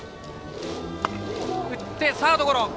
打ってサードゴロ。